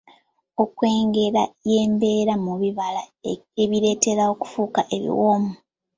Okwengera y'embeera mu bibala ebireetera okufuuka ebiwoomu.